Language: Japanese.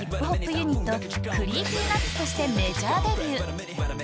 ユニットＣｒｅｅｐｙＮｕｔｓとしてメジャーデビュー